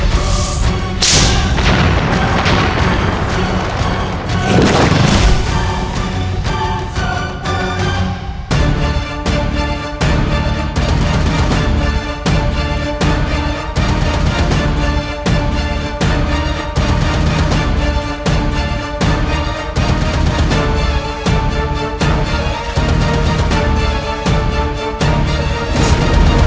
dan juga membuahnya